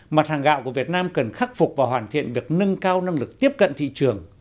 mặt hàng gạo của việt nam cần khắc phục và hoàn thiện việc nâng cao năng lực tiếp cận thị trường